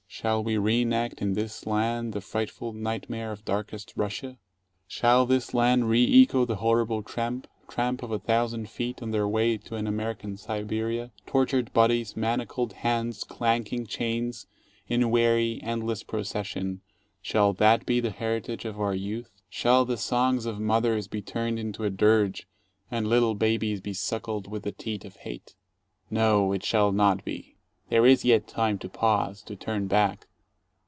Shall we re enact in this land the frightful night mare of Darkest Russia? Shall this land re echo the horrible tramp, tramp of a thousand feet, on their way to an American Siberia? Tortured bodies, manacled hands, clanking chains, in weary, end less procession — shall that be the heritage of our youth? Shall the songs of mothers be turned into a dirge, and little babies be suckled with the teat of hate? No, it shall not be. There is yet time to pause, to turn back.